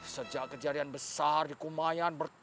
sejak kejadian besar di kumayan